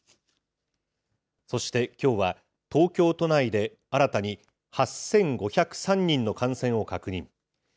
そしてきょうは、東京都内で新たに８５０３人の感染を確認。